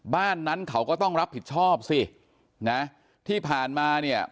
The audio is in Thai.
บ้านนั้นเขาก็ต้องรับผิดชอบสินะที่ผ่านมาเนี่ย